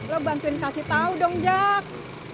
lo bantuin kasih tau dong jak